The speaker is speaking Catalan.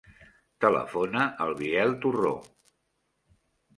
Telefona al Biel Torro.